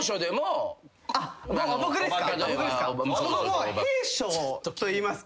僕ですか？